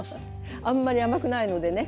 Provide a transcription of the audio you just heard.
あんまり甘くないのでね